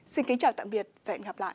xin kính chào tạm biệt và hẹn gặp lại